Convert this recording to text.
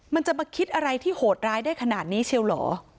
มันจะมาคิดอะไรที่โหดร้ายได้ขนาดนี้เชียวเหรอ